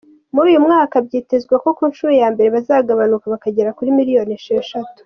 Muri uyu mwaka byitezwe ko ku nshuro ya mbere bazagabanuka bakagera kuri miliyoni esheshatu.